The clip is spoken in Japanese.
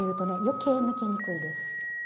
余計抜けにくいです。